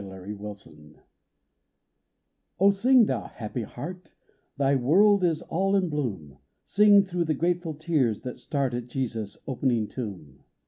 The New Song. OSING, thou happy heart ! Thy world is all in bloom. Sing, through the grateful tears that start At Jesus' opening tomb